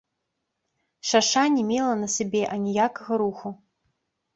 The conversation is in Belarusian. Шаша не мела на сабе аніякага руху.